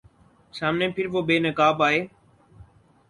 سامنے پھر وہ بے نقاب آئے